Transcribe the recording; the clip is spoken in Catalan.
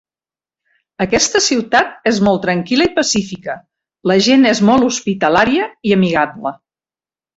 Aquesta ciutat és molt tranquil·la i pacífica, la gent és molt hospitalària i amigable.